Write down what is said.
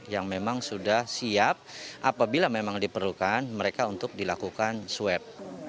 yang memang sudah siap apabila memang diperlukan mereka untuk dilakukan swab